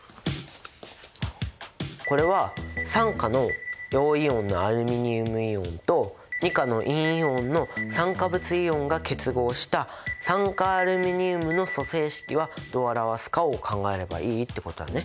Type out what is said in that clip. これは３価の陽イオンのアルミニウムイオンと２価の陰イオンの酸化物イオンが結合した酸化アルミニウムの組成式はどう表すかを考えればいいってことだね。